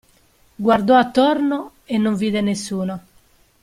Guardò attorno e non vide nessuno.